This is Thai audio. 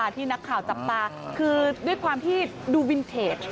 ที่นักข่าวจับตาคือด้วยความที่ดูวินเทจ